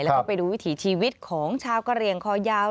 แล้วก็ไปดูวิถีชีวิตของชาวกะเหลี่ยงคอยาว